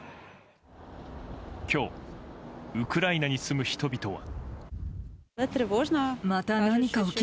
今日、ウクライナに住む人々は。